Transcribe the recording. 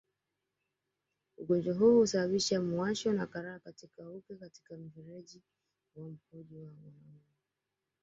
Ugonjwa huu husababisha muwasho na karaha katika uke katika mfereji wa mkojo kwa wanaume